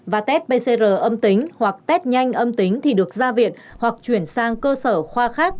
và test pcr âm tính hoặc test nhanh âm tính thì được ra viện hoặc chuyển sang cơ sở khoa khác